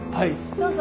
どうぞ。